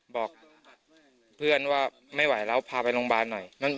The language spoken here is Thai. บอกเพื่อนว่าไม่ไหวแล้วพาไปโรงพยาบาลหน่อย